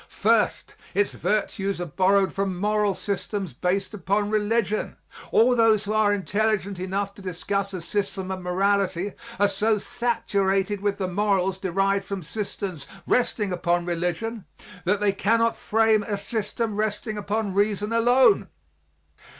First, its virtues are borrowed from moral systems based upon religion. All those who are intelligent enough to discuss a system of morality are so saturated with the morals derived from systems resting upon religion that they cannot frame a system resting upon reason alone.